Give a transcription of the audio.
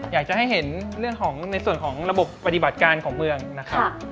อยากจะให้เห็นเรื่องของในส่วนของระบบปฏิบัติการของเมืองนะครับ